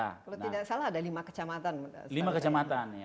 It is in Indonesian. kalau tidak salah ada lima kecamatan